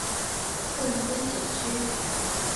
共分九区。